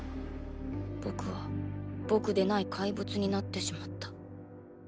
僕は僕でない怪物になってしまった。